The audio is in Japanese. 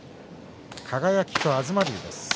輝と東龍です。